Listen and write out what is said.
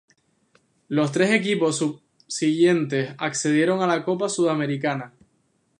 Los tres equipos subsiguientes accedieron a la Copa Sudamericana.